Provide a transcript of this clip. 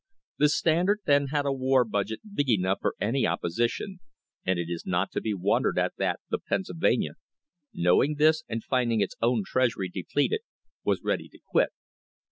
The Standard then had a war budget big enough for any opposi tion, and it is not to be wondered at that the Pennsylvania, knowing this and rinding its own treasury depleted, was ready to quit.